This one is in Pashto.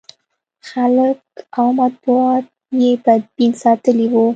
خلک او مطبوعات یې بدبین ساتلي و.